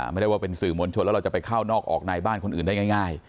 ไม่ได้ว่าเป็นสื่อมวลชนแล้วเราจะไปเข้านอกออกในบ้านคนอื่นได้ง่าย